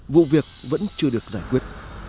vụ việc vẫn chưa được giải quyết